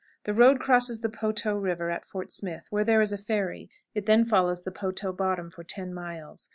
The road crosses the Poteau River at Fort Smith, where there is a ferry; it then follows the Poteau bottom for ten miles.